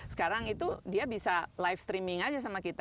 sekarang itu dia bisa live streaming aja sama kita